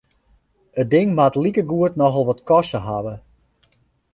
It ding moat likegoed nochal wat koste ha.